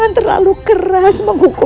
ini keris kamu kan